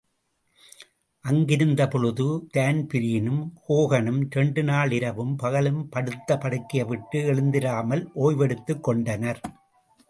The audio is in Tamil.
அங்கிருந்த பொழுது தான்பிரீனும் ஹோகனும் இரண்டு நாள் இரவும் பகலும் படுத்த படுக்கைவிட்டு எழுந்திராமல் ஓய்வெடுத்துக் கொண்டனர்.